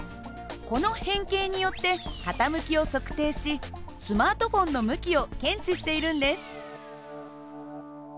この変形によって傾きを測定しスマートフォンの向きを検知しているんです。